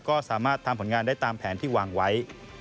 ก็สามารถทำผลงานได้ตามแผนที่วางไว้